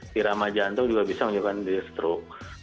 hirama jantung juga bisa menyebabkan dia stroke